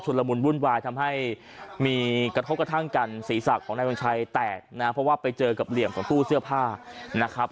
ละมุนวุ่นวายทำให้มีกระทบกระทั่งกันศีรษะของนายวัญชัยแตกนะเพราะว่าไปเจอกับเหลี่ยมของตู้เสื้อผ้านะครับ